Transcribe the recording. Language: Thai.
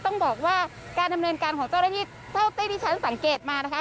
ต้องบอกว่าการดำเนินการของเจ้าหน้าที่เท่าที่ที่ฉันสังเกตมานะคะ